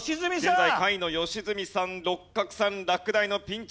現在下位の良純さん六角さん落第のピンチ。